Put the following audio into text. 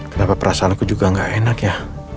kenapa perasaan aku juga gak enak ya